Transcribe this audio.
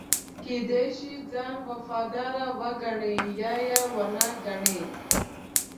کېدای شي ځان وفادار وګڼي یا یې ونه ګڼي.